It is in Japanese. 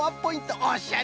おしゃれ！